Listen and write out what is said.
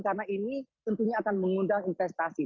karena ini tentunya akan mengundang investasi